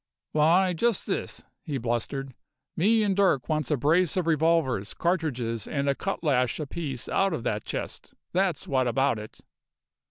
"Why, just this," he blustered. "Me and Dirk wants a brace of revolvers, cartridges, and a cutlash apiece out of that chest. That's what about it."